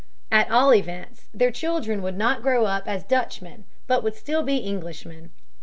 At all events, their children would not grow up as Dutchmen, but would still be Englishmen.